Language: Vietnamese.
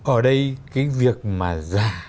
ở đây cái việc mà giả